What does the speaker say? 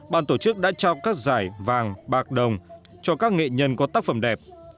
ban tổ chức đã trao các giải vàng bạc đồng cho các nghệ nhân có tác phẩm đẹp